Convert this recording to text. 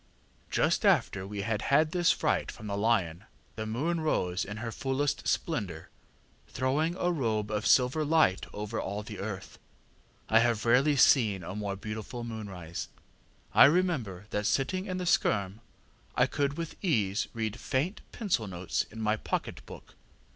ŌĆ£Just after we had had this fright from the lion, the moon rose in her fullest splendour, throwing a robe of silver light over all the earth. I have rarely seen a more beautiful moonrise. I remember that sitting in the skerm I could with ease read faint pencil notes in my pocket book.